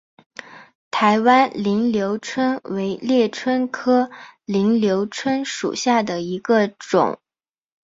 台湾菱瘤蝽为猎蝽科菱瘤蝽属下的一个种。